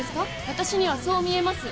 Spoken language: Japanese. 私にはそう見えます！